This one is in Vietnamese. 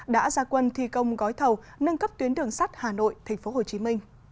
đã ra quân thi công gói thầu nâng cấp tuyến đường sắt hà nội tp hcm